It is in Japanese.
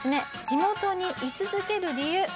地元に居続ける理由。